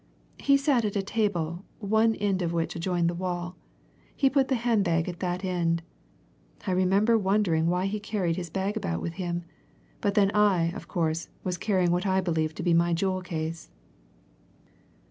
He sat at a table, one end of which adjoined the wall he put the hand bag at that end. I remember wondering why he carried his bag about with him. But then I, of course, was carrying what I believed to be my jewel case."